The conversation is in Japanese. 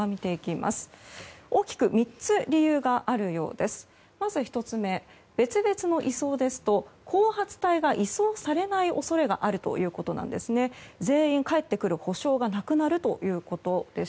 まず１つ目、別々の移送ですと後発隊が移送されない恐れがあるということです。